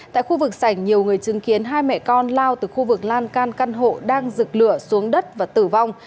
tại khu vực sảnh nhiều người chứng kiến hai mẹ con lao từ khu vực lan can căn hộ đang dược lửa xuống đất và tử vong